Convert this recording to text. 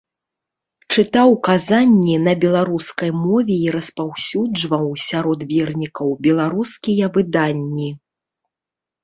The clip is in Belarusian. Чытаў казанні на беларускай мове і распаўсюджваў сярод вернікаў беларускія выданні.